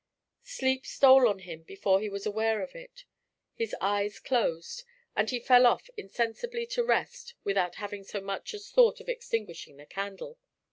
Sleep stole on him before he was aware of it. His eyes closed, and he fell off insensibly to rest without having so much as thought of extinguishing the candle.